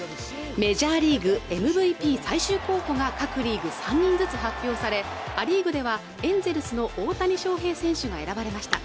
メジャーリーグＭＶＰ最終候補が各リーグ３人ずつ発表されア・リーグではエンゼルスの大谷翔平選手が選ばれました